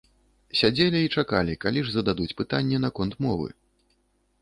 Сядзелі і чакалі, калі ж зададуць пытанне наконт мовы.